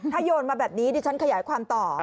โยนมาแบบนี้ดิฉันขยายความต่อ